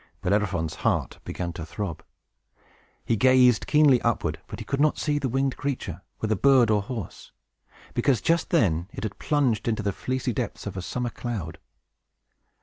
Bellerophon's heart began to throb! He gazed keenly upward, but could not see the winged creature, whether bird or horse; because, just then, it had plunged into the fleecy depths of a summer cloud.